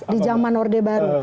di jaman orde baru